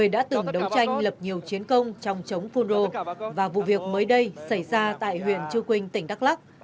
đấu tranh lập nhiều chiến công trong chống phun rô và vụ việc mới đây xảy ra tại huyện chư quynh tỉnh đắk lắk